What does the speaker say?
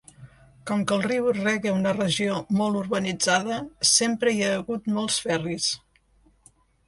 Com que el riu rega una regió molt urbanitzada, sempre hi ha hagut molts ferris.